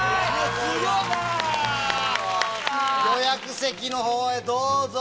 予約席のほうへどうぞ！